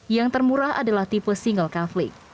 yang termurah adalah tipe single kaflix